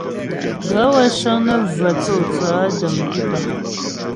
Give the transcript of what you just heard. Gaə̌ wə́ cə́ŋ nə́ və tsô tsaə̌ də̀m pípà.